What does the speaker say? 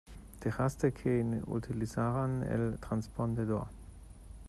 dejaste que inutilizaran el transpondedor.